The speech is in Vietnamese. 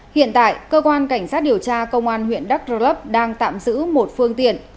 hiện tại cơ quan cảnh sát điều tra công an huyện đắk rơ lấp đang tạm giữ một phương tiện